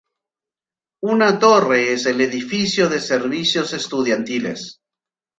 Una torre es el edificio de servicios estudiantiles.